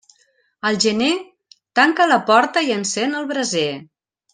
Al gener, tanca la porta i encén el braser.